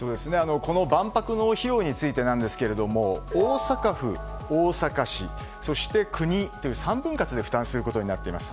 万博の費用についてなんですけども大阪府、大阪市そして国という３分割で負担することになっています。